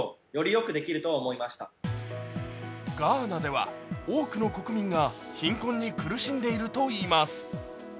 ガーナでは、多くの国民が貧困に苦しんでいるといいます。